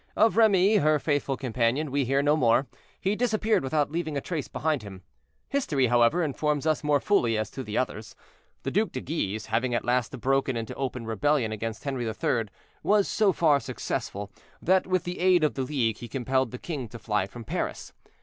Of Remy, her faithful companion, we hear no more: he disappeared without leaving a trace behind him. History, however, informs us more fully as to the others. The Duc de Guise, having at last broken into open rebellion against Henri III., was so far successful, that with the aid of the League he compelled the king to fly from Paris.